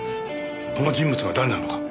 この人物は誰なのか？